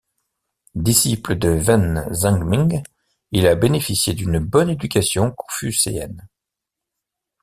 Disciple de Wen Zhengming, il a bénéficié d'une bonne éducation confucéenne.